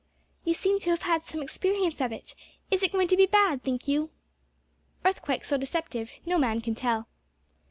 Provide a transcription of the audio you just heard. "You seem to have had some experience of it. Is it going to be bad, think you?" "Earthquakes are deceptive no man can tell."